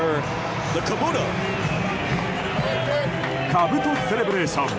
かぶとセレブレーション。